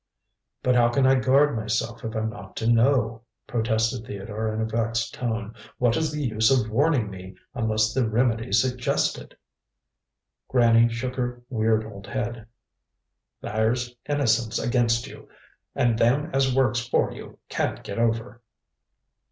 "But how can I guard myself, if I'm not to know," protested Theodore in a vexed tone. "What is the use of warning me, unless the remedy's suggested?" Granny shook her weird old head. "There's innocence against you, and Them as works for you can't get over."